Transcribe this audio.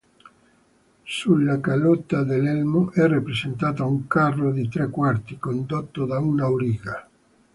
Sulla calotta dell'elmo è rappresentata un carro di tre quarti, condotto da un auriga.